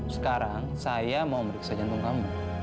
sekarang saya mau meriksa jantung kamu